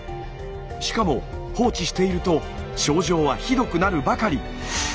しかも放置していると症状はひどくなるばかり。